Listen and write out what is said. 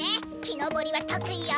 木のぼりはとくいよ